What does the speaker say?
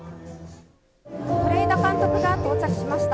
是枝監督が到着しました。